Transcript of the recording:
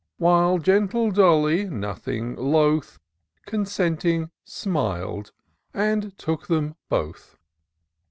47 While gentle Dolly, nothing loth, Consenting smil'd, and took them both.